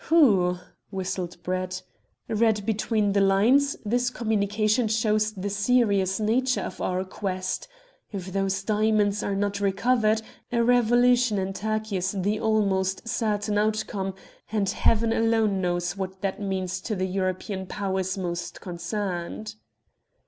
"Whew!" whistled Brett. "Read between the lines, this communication shows the serious nature of our quest. If those diamonds are not recovered, a revolution in Turkey is the almost certain outcome, and Heaven alone knows what that means to the European Powers most concerned."